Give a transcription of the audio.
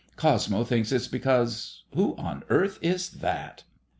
Cos mo thinks it's because Who on earth is that